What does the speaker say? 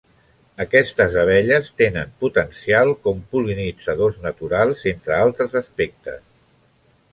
Aquestes abelles tenen potencial com pol·linitzadors naturals, entre altres aspectes.